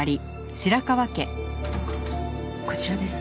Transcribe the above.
こちらです。